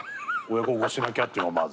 親孝行しなきゃっていうのがまず。